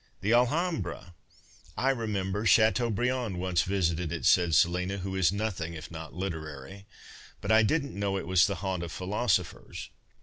" The Alliambra ! I remember Chateaubriand once visited it," said Selina, who is nothing if not literary, " but I didn't know it was the haunt of philosophers."